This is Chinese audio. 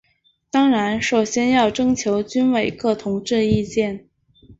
当然首先要征求军委各同志意见。